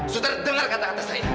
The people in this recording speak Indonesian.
saudara dengar kata kata saya